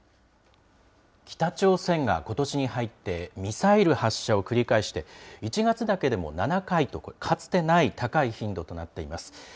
北朝鮮がことしに入ってミサイル発射を繰り返して、１月だけでも７回と、かつてない高い頻度となっています。